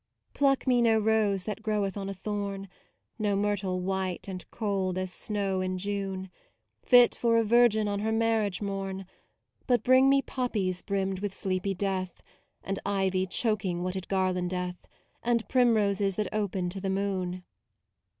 Pluck me no rose that groweth on a thorn, No myrtle white and cold as snow in June, u8 MAUDE Fit for a virgin on her marriage morn: But bring me poppies brimmed with sleepy death, And ivy choking what it garlandeth, And primroses that open to the moon.